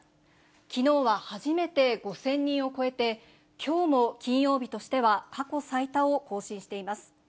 きのうは初めて５０００人を超えて、きょうも金曜日としては過去最多を更新しています。